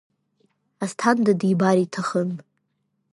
Асҭанда дибар иҭахын.